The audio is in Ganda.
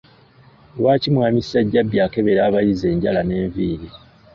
Lwaki mwami Ssajjabbi akebera abayizi enjala n’enviiri?